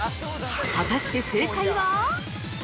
◆果たして正解は。